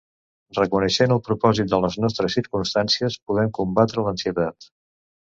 Reconeixent el propòsit de les nostres circumstàncies, podem combatre l'ansietat.